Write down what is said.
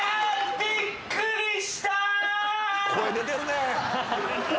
びっくりした！